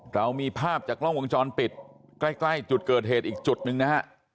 เรามีภาพจากกล้องวงจรปิดใกล้จุดเกิดเหตุอีกจุดหนึ่งนะฮะ